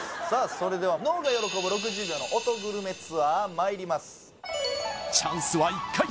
それでは脳が喜ぶ６０秒のオトグルメツアーまいりますチャンスは一回！